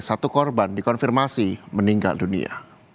satu korban dikonfirmasi meninggal dunia